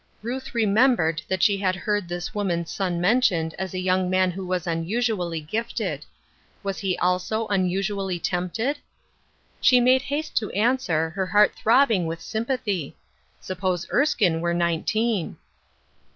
Ruth remembered that she had heard this woman's son mentioned as a young man who was unusually gifted. Was he also unusually tempted ? She made haste to an swer, her heart throbbing in sympathy ; suppose Erskine were nineteen.